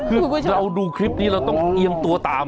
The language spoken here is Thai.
คือเราดูคลิปนี้เราต้องเอียงตัวตาม